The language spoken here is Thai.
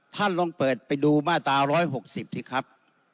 ท่านลองเปิดไปดูมาตรา๑๖๐สิครับ